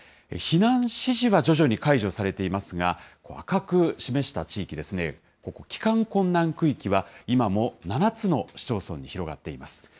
避難指示は徐々に解除されていますが、赤く示した地域ですね、ここ、帰還困難区域は今も７つの市町村に広がっています。